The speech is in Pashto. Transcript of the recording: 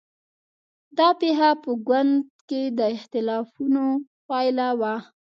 دا پېښه په ګوند کې د اختلافونو پایله وه.